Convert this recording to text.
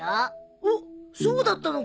おっそうだったのか。